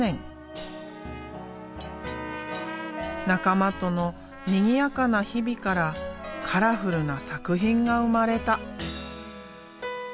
仲間とのにぎやかな日々からカラフルな作品が生まれた。